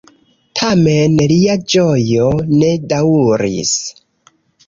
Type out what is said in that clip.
Tamen, lia ĝojo ne daŭris.